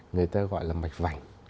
người ta gọi là mạch vành